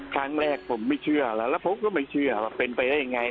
ครั้งแรกผมไม่เชื่อแล้วแล้วผมก็ไม่เชื่อว่าเป็นไปได้ยังไง